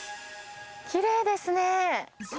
きれいですね。